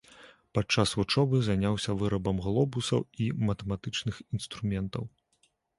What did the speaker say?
Падчас вучобы заняўся вырабам глобусаў і матэматычных інструментаў.